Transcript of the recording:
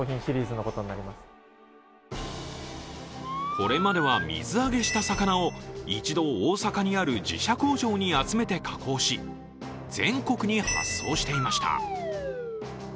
これまでは水揚げした魚を一度、大阪にある自社工場に集めて加工し全国に発送していました。